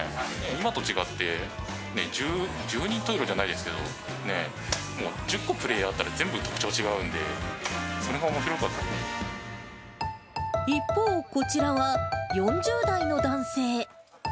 今と違って、十人十色じゃないですけど、もう１０個プレーヤーあったら、全部特徴が違うんで、それがおも一方、こちらは４０代の男性。